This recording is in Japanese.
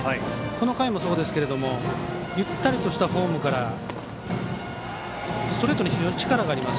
この回もそうですけどもゆったりとしたフォームからストレートに非常に力があります。